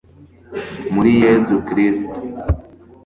muri yezu kristu